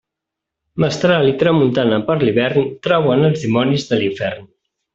Mestral i tramuntana per l'hivern trauen els dimonis de l'infern.